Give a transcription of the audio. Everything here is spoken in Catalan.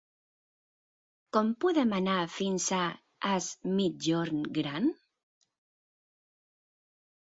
Com podem anar fins a Es Migjorn Gran?